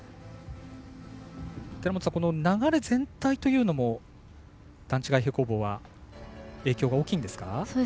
流れ全体というのも段違い平行棒は影響が大きいんですか？